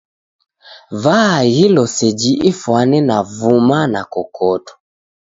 Vaaghilo seji ifwane na vuma na kokoto